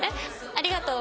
ありがとう。